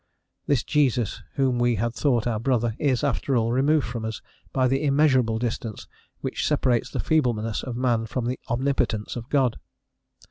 This Jesus, whom we had thought our brother, is after all, removed from us by the immeasurable distance which separates the feebleness of man from the omnipotence of God.